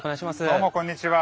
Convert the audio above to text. どうもこんにちは。